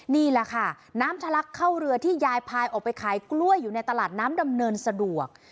นี่แหละค่ะน้ำทะลักเข้าเรือที่ยายพายออกไปขายกล้วยอยู่ในตลาดน้ำดำเนินสะดวก